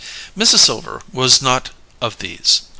Mrs. Silver was not of these.